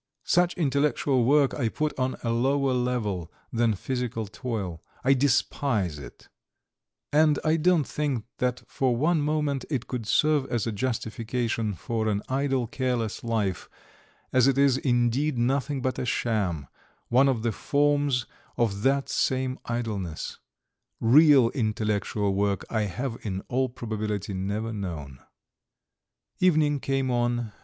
Such intellectual work I put on a lower level than physical toil; I despise it, and I don't think that for one moment it could serve as a justification for an idle, careless life, as it is indeed nothing but a sham, one of the forms of that same idleness. Real intellectual work I have in all probability never known. Evening came on.